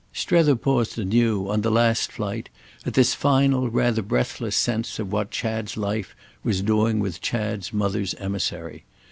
—Strether paused anew, on the last flight, at this final rather breathless sense of what Chad's life was doing with Chad's mother's emissary.